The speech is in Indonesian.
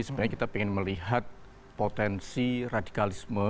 sebenarnya kita ingin melihat potensi radikalisme